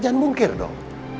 jangan mungkir dong